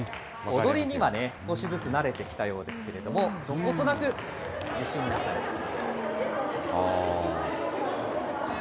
踊りには少しずつ慣れてきたようですけれども、どことなく自信なさげです。